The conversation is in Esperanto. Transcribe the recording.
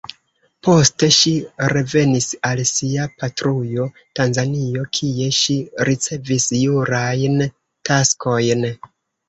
Poste ŝi revenis al sia patrujo Tanzanio, kie ŝi ricevis jurajn taskojn.